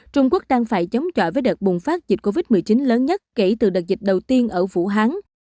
trung quốc đang phải chống chọi với đợt bùng phát dịch covid một mươi chín lớn nhất kể từ đợt dịch đầu tiên ở vũ hán